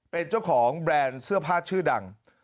เป็นเจ้าของแบรนด์เสื้อผ้าชื่อดัง